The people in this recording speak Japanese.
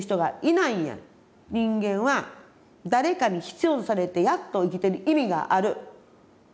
人間は誰かに必要とされてやっと生きてる意味がある。